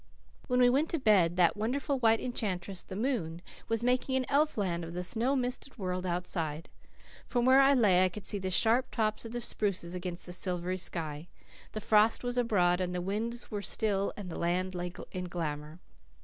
When we went to bed, that wonderful white enchantress, the moon, was making an elf land of the snow misted world outside. From where I lay I could see the sharp tops of the spruces against the silvery sky. The frost was abroad, and the winds were still and the land lay in glamour.